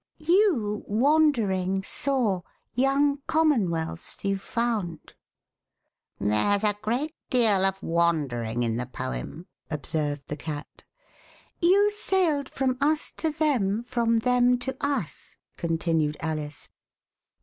VoUy wandering, saw. Young Commonwealths you founds There's a great deal of wandering in the poem/* observed the Cat. *' You sailed from us to them, from them to us," continued Alice.